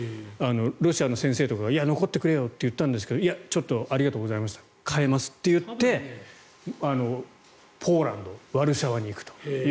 ロシアの先生とかが残ってくれよとか言ったんですがいや、ちょっとありがとうございました変えますといってポーランド・ワルシャワに行くと。